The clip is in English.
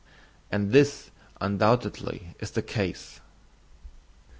And this undoubtedly is the case.